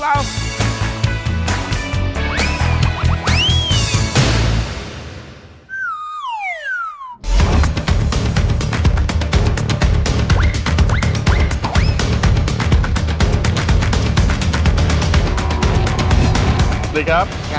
สวัสดีครับ